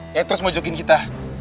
yang terus mau joggin kita